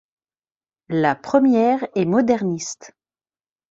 La première est moderniste.